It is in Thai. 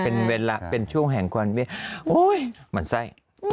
เป็นเวลาเป็นช่วงแห่งความเวชโอ้ยมันใส้